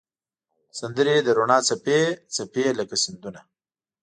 سندرې د روڼا څپې، څپې لکه سیندونه